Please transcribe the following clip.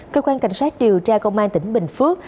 cơ quan cảnh sát điều tra công an tỉnh bình phước